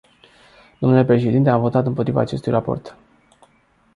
Domnule președinte, am votat împotriva acestui raport.